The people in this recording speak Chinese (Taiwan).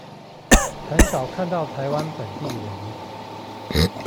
很少看到台灣本地人